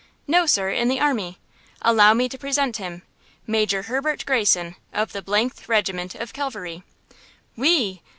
"No, sir; in the army. Allow me to present him. Major Herbert Greyson, of the –th Regiment of Cavalry." "Ou!